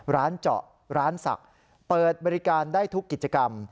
ร้านเจาะร้านศักดิ์เปิดบริการได้ทุกกิจกรรม